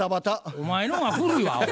お前のが古いわあほ。